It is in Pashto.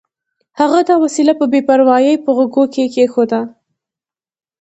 هغه دا وسیله په بې پروایۍ په غوږو کې کېښوده